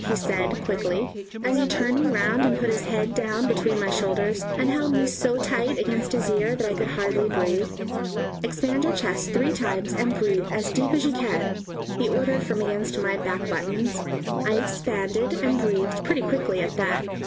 he said quickly, and he turned me round and put his head down between my shoulders and held me so tight against his ear that I could hardly breathe. "Expand your chest three times and breathe as deep as you can," he ordered from against my back buttons. I expanded and breathed pretty quickly at that.